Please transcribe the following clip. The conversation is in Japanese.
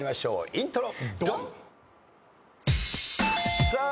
イントロ。